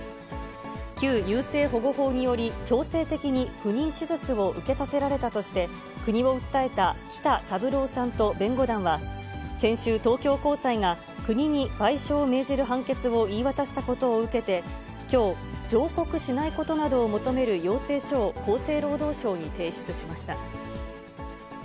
旧優生保護法により、強制的に不妊手術を受けさせられたとして、国を訴えた北三郎さんと弁護団は、先週、東京高裁が国に賠償を命じる判決を言い渡したことを受けて、きょう、上告しないことなどを求める要請書を厚生労働省に提出しました。